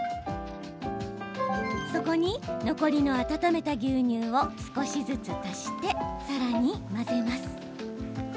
そこに残りの温めた牛乳を少しずつ足して、さらに混ぜます。